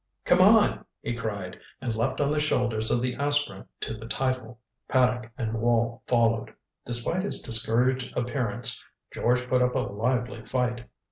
"Come on," he cried, and leaped on the shoulders of the aspirant to the title. Paddock and Wall followed. Despite his discouraged appearance, George put up a lively fight.